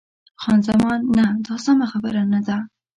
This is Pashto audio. خان زمان: نه، دا سمه خبره نه ده.